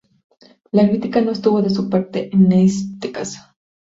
La crítica no estuvo de su parte en este caso.